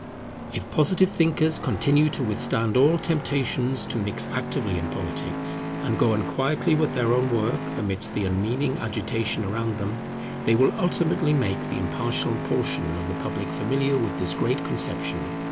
If Positivist thinkers continue to withstand all temptations to mix actively in politics, and go on quietly with their own work amidst the unmeaning agitation around them, they will ultimately make the impartial portion of the public familiar with this great conception.